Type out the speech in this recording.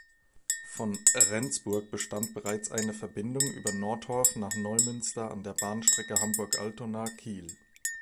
Von Rendsburg bestand bereits eine Verbindung über Nortorf nach Neumünster an der Bahnstrecke Hamburg-Altona–Kiel.